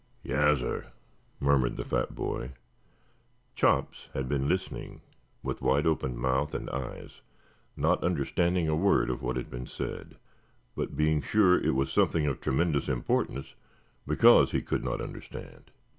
"Yassir," murmured the fat boy. Chops had been listening with wide open mouth and eyes, not understanding a word of what had been said, but being sure it was something of tremendous importance because he could not understand.